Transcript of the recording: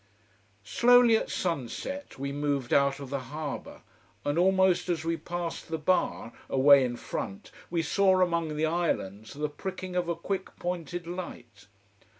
Slowly at sunset we moved out of the harbour. And almost as we passed the bar, away in front we saw, among the islands, the pricking of a quick pointed light.